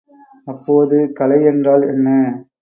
அப்போது கலை என்றால் என்ன?